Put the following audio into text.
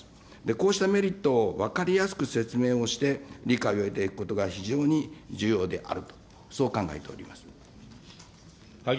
こうしたメリットを分かりやすく説明をして、理解を得ていくことが非常に重要であると、そう考えております。